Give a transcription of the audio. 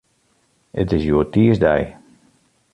It is hjoed tiisdei.